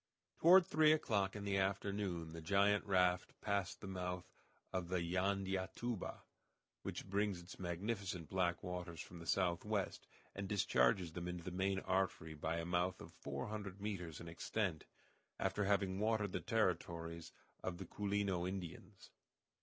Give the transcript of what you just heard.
Toward three o'clock in the afternoon the giant raft passed the mouth of the Jandiatuba, which brings its magnificent black waters from the southwest, and discharges them into the main artery by a mouth of four hundred meters in extent, after having watered the territories of the Culino Indians.